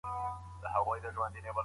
د ماشومانو ځانګړي روغتونونه کوم دي؟